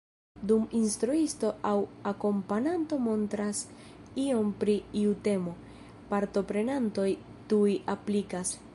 Dum instruisto aŭ akompananto montras ion pri iu temo, partoprenantoj tuj aplikas.